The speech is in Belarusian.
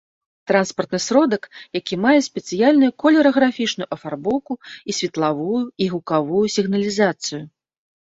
Транспартны сродак, які мае спецыяльную колераграфічную афарбоўку і светлавую і гукавую сігналізацыю